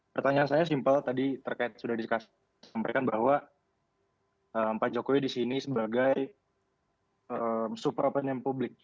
pertanyaan saya simpel tadi terkait sudah disampaikan bahwa pak jokowi disini sebagai super open mpublik